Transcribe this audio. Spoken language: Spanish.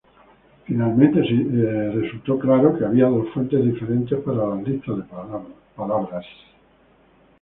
Finalmente se hizo claro que había dos fuentes diferentes para las listas de palabras.